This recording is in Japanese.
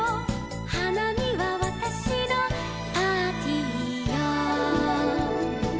「花見はわたしのパーティーよ」